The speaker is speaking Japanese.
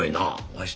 わし